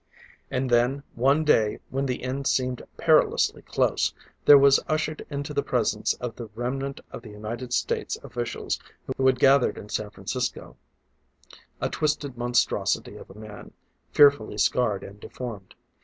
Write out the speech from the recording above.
And then one day when the end seemed perilously close, there was ushered into the presence of the remnant of the United States officials who had gathered in San Francisco, a twisted monstrosity of a man, fearfully scarred and deformed.